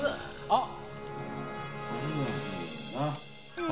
あっ！